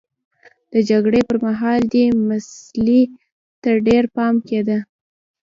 د جګړې پرمهال دې مسئلې ته ډېر پام کېده.